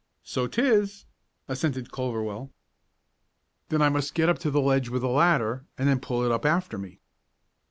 "So 'tis," assented Culverwell. "Then I must get up to the ledge with a ladder, and then pull it up after me."